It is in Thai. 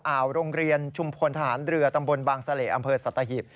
โรงเรียนชุมพลทหารเรือตำบลบางเสล่อำเภอสัตหิบ